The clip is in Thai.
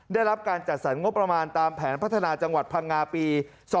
ได้รับการจัดสรรงบประมาณตามแผนพัฒนาจังหวัดพังงาปี๒๕๖